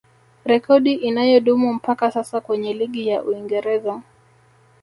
Rekodi inayodumu mpaka sasa kwenye ligi ya Uingereza